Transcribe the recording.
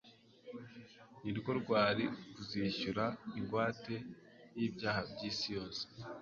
ni rwo rwari kuzishyura ingwate y'ibyaha by'isi yose.